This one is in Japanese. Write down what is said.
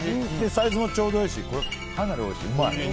サイズもちょうどいいしこれ、かなりおいしい。